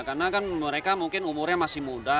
karena kan mereka mungkin umurnya masih muda